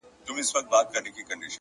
د زړه صفا د اړیکو قوت دی!.